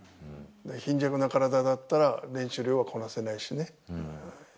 貧弱な体だったら練習量はこなせないしね。